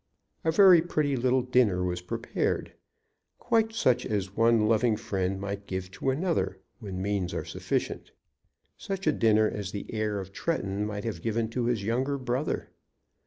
A very pretty little dinner was prepared, quite such as one loving friend might give to another, when means are sufficient, such a dinner as the heir of Tretton might have given to his younger brother.